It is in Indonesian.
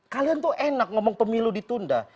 kalian tuh enak ngomong pemilu ditunda